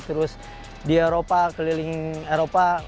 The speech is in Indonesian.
terus di eropa keliling eropa